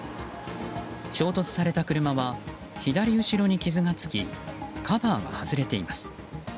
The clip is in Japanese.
衝突された車は左後ろに傷がつきカバーが外れています。